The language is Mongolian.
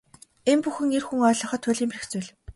Энэ бүхэн эр хүн ойлгоход туйлын бэрх зүйл.